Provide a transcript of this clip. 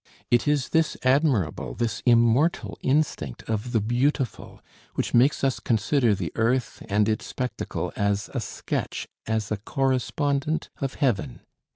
"It is this admirable, this immortal instinct of the Beautiful which makes us consider the earth and its spectacle as a sketch, as a correspondent of Heaven.